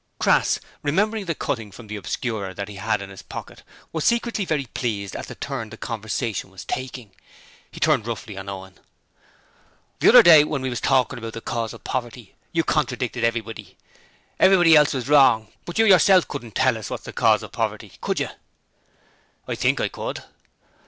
Crass, remembering the cutting from the Obscurer that he had in his pocket, was secretly very pleased at the turn the conversation was taking. He turned roughly on Owen: 'The other day, when we was talkin' about the cause of poverty, you contradicted everybody. Everyone else was wrong! But you yourself couldn't tell us what's the cause of poverty, could you?' 'I think I could.'